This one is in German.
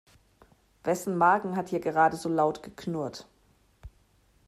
Wessen Magen hat hier gerade so laut geknurrt?